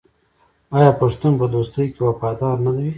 آیا پښتون په دوستۍ کې وفادار نه وي؟